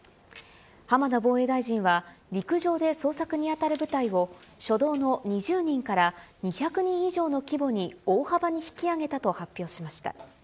浜田防衛大臣は、陸上で捜索に当たる部隊を初動の２０人から２００人以上の規模に大幅に引き上げたと発表しました。